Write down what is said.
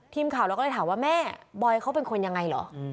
ทีมข่าวเราก็เลยถามว่าแม่บอยเขาเป็นคนยังไงเหรอ